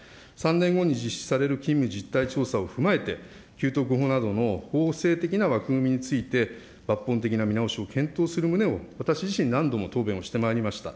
３年後に実施される勤務実態調査を踏まえて、などの保護的な枠組みについて、抜本的な見直しを検討する旨を、私自身、何度も答弁をしてまいりました。